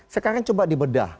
sekarang coba dibedah